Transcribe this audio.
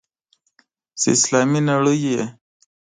چې اسلامي نړۍ یې.